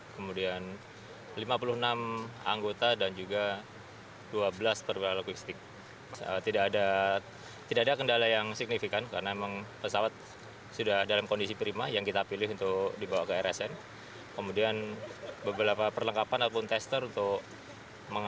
kemudian lima puluh enam anggota dan juga dua belas penerbang